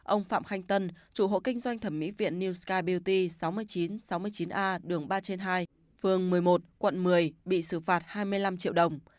ông phạm khanh tân chủ hộ kinh doanh thẩm mỹ viện newsky beauty sáu nghìn chín trăm sáu mươi chín a đường ba trên hai phường một mươi một quận một mươi bị xử phạt hai mươi năm triệu đồng